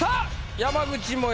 山口もえ！